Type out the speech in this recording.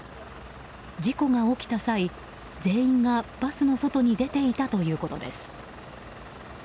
事故が起きた際、全員がバスの外に出ていたということです。